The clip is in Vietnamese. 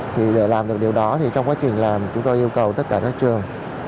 thì để làm được điều đó thì trong quá trình làm chúng tôi yêu cầu tất cả các trường